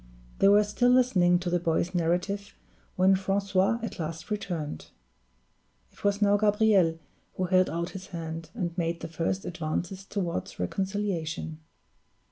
They were still listening to the boy's narrative when Francois at last returned. It was now Gabriel who held out his hand, and made the first advances toward reconciliation.